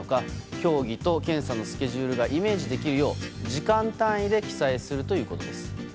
競技と検査のスケジュールがイメージできるよう時間単位で記載するということです。